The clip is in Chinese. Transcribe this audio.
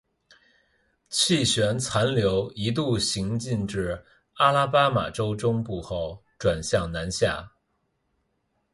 气旋残留一度行进至阿拉巴马州中部后转向南下。